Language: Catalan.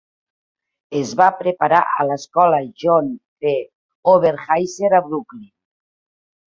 Esva preparar a l'escola John C. Overhiser a Brooklyn.